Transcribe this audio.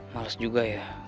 males juga ya